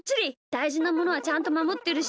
だいじなものはちゃんとまもってるし。